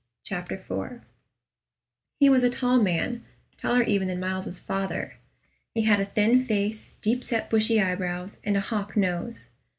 CHAPTER 4 He was a tall man, taller even than Myles's father. He had a thin face, deep set bushy eyebrows, and a hawk nose.